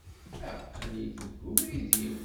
Aqli-k deg ubrid-iw.